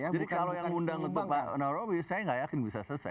jadi kalau yang mengundang untuk pak norowi saya nggak yakin bisa selesai